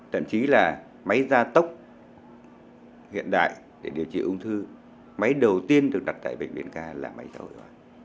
thậm chí là máy gia tốc hiện đại để điều trị ung thư máy đầu tiên được đặt tại bệnh viện ca là máy xã hội